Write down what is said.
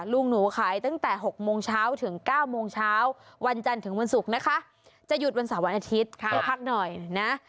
ลุงหนูขายตั้งแต่๖โมงเช้าถึง๙โมงเช้าวันจันทร์ถึงวันศุกร์นะคะจะหยุดวันเสาร์วันอาทิตย์ให้พักหน่อยนะ